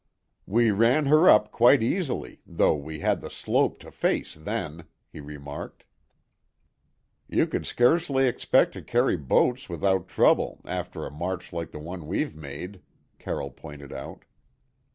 "We ran her up quite easily, though we had the slope to face then," he remarked. "You could scarcely expect to carry boats about without trouble, after a march like the one we've made," Carroll pointed out.